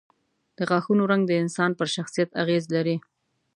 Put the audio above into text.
د غاښونو رنګ د انسان پر شخصیت اغېز لري.